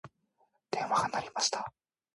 電話が鳴りました。